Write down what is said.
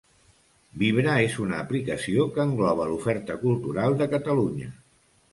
Vibra és una aplicació que engloba l'oferta cultural de Catalunya.